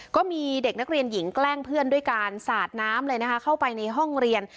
ก็มีเด็กนักเรียนหญิงแกล้งเพื่อนด้วยการสาดน้ำเลยนะคะเข้าไปในห้องเรียน